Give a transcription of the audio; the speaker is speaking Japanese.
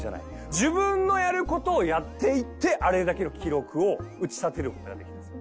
自分のやる事をやっていってあれだけの記録を打ち立てる事ができたんです。